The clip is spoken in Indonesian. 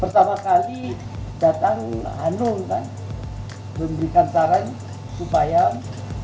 pertama kali datang ainun kan memberikan saran supaya ini